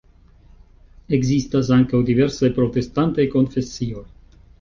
Ekzistas ankaŭ diversaj protestantaj konfesioj.